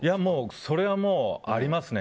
それはもう、ありますね。